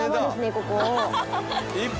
ここ。